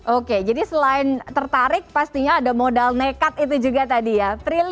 oke jadi selain tertarik pastinya ada modal nekat itu juga tadi ya prilly